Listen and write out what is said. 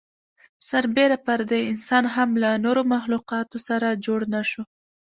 سر بېره پر دې انسان هم له نورو مخلوقاتو سره جوړ نهشو.